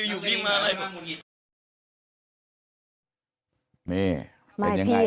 อยู่เรียกบ้างเลย